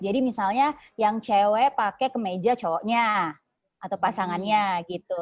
jadi misalnya yang cewek pakai kemeja cowoknya atau pasangannya gitu